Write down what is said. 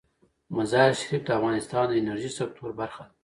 مزارشریف د افغانستان د انرژۍ سکتور برخه ده.